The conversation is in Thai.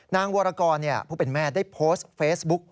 นางวรกรผู้เป็นแม่ได้โพสต์เฟซบุ๊ก